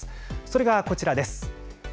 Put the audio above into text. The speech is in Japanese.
それが、こちらです。